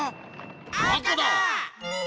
あかだ！